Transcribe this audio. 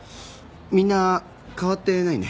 みんな変わってないね。